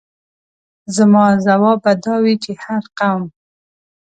زما ځواب به دا وي چې هر قوم.